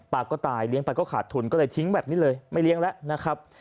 ก็ตายเลี้ยงไปก็ขาดทุนก็เลยทิ้งแบบนี้เลยไม่เลี้ยงแล้วนะครับ